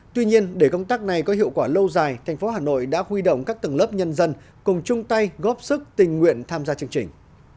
tuy nhiên để công tác này có hiệu quả lâu dài thành phố hà nội đã huy động các tầng lớp nhân dân cùng chung tay góp sức tình nguyện tham gia chương trình